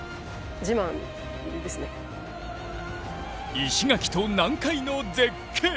石垣と南海の絶景。